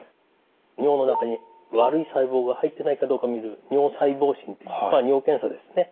尿の中に悪い細胞が入ってないかどうか診る尿細胞診っていうまあ尿検査ですね。